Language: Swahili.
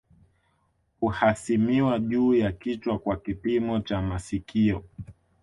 Huhasimiwa juu ya kichwa kwa kipimo cha masikio